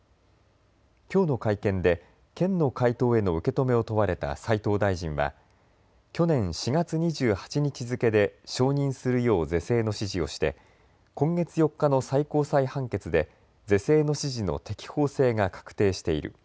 きょうの会見で県の回答への受け止めを問われた斉藤大臣は去年４月２８日付けで承認するよう是正の指示をして今月４日の最高裁判決で是正の指示の適法性が確定している。